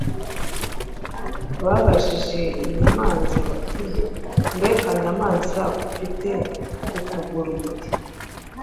Babajije inyamanza bati: “Mbe kanyamanza ko ufite ukuguru guto!”